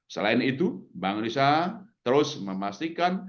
selain itu bank indonesia terus memastikan